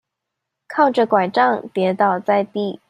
靠著柺杖跌倒在地